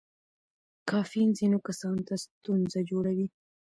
کافین ځینو کسانو ته ستونزه جوړوي.